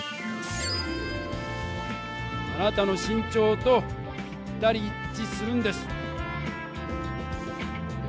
あなたの身長とぴったり一ちするんです！